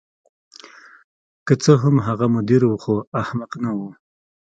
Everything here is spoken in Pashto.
که څه هم هغه مدیر و خو احمق نه و